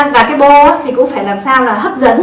và cái bô thì cũng phải làm sao là hấp dẫn